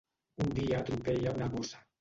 Un dia atropella una gossa.